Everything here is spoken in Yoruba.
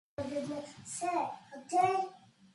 Abala ko̟kàndínló̟gbò̟n.